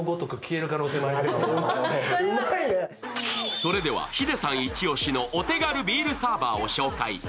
それでは、ヒデさんイチオシのお手軽ビールサーバーをご紹介。